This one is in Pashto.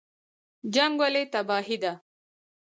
جنګ ولې تباهي ده؟